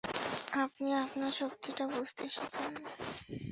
আপনি আপনার শক্তিটা বুঝতে শিখুন।